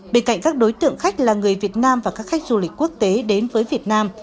bên cạnh các đối tượng khách là người việt nam và các khách du lịch quốc tế đến với việt nam